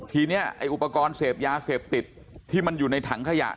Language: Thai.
ทีนี้ไอ้อุปกรณ์เสพยาเสพติดที่มันอยู่ในถังขยะ